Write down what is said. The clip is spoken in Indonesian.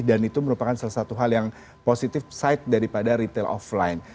dan itu merupakan salah satu hal yang positif side daripada retail offline